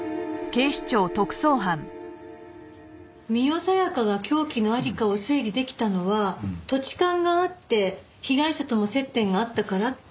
深世小夜香が凶器の在りかを推理できたのは土地勘があって被害者とも接点があったからって事ね？